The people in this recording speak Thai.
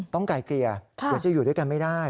ไกลเกลี่ยเดี๋ยวจะอยู่ด้วยกันไม่ได้